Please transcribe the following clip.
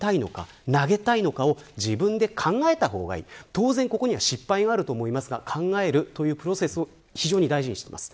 当然、ここには失敗があると思いますが考えるというプロセスを非常に大事にしています。